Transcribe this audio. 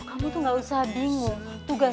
alongkorn masuk sini sesungguhnya lah